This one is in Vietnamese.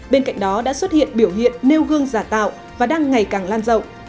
bên cạnh đó đã xuất hiện biểu hiện nêu gương giả tạo và đang ngày càng lan rộng